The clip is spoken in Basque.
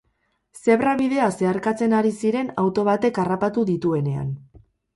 Zebra-bidea zeharkatzen ari ziren auto batek harrapatu dituenean.